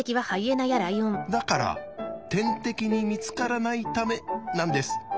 だから天敵に見つからないためなんです。